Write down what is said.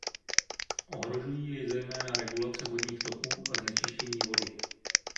Ohrožují jej zejména regulace vodních toků a znečištění vody.